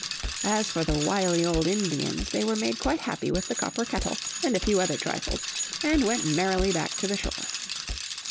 As for the wily old Indians they were made quite happy with the copper kettle and a few other trifles, and went merrily back to the shore.